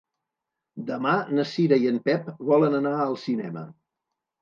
Demà na Cira i en Pep volen anar al cinema.